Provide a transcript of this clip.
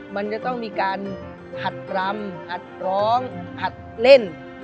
มันจะต้องมีการผัดรำหัดร้องผัดเล่น